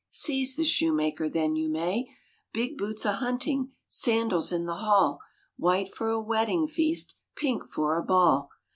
Seize the Shoemaker then you may! "Big boots a hunting, Sandals in the hall, White for a wedding feast, Pink for a ball.